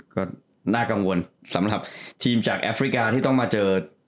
ก็น่ากังวลสำหรับทีมจากแอฟริกาที่ต้องมาเจอ